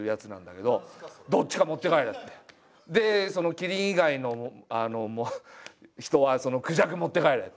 「キリン以外の人はクジャク持って帰れ」って。